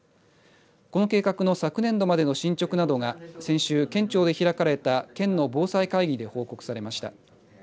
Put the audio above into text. この計画の昨年度までの進捗などが先週、県庁で開かれた県の防災会議で報告されました。